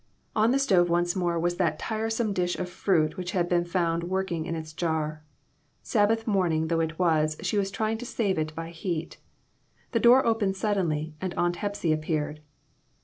On the stove once more BONNETS, AND BURNS, AND BURDENS. 99 was that tiresome dish of fruit which had been found working in its jar. Sabbath morning though it was, she was trying to save it by heat. The door opened suddenly, and Aunt Hepsy appeared.